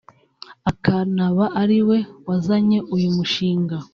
akanaba ari we wazanye uyu mushinga